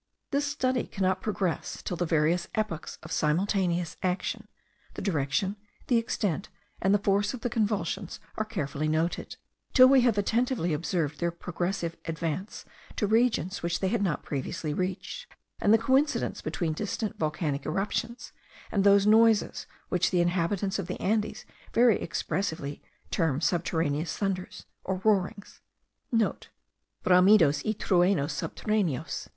This study cannot progress till the various epochs of simultaneous action, the direction, the extent, and the force of the convulsions are carefully noted; till we have attentively observed their progressive advance to regions which they had not previously reached; and the coincidence between distant volcanic eruptions and those noises which the inhabitants of the Andes very expressively term subterraneous thunders, or roarings.* (* Bramidos y truenos subterraneos.)